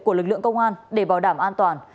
của lực lượng công an để bảo đảm an toàn